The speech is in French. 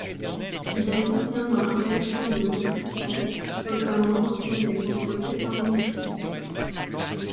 Il intervient dans la réaction de nitration, notamment dans celle des composés aromatiques.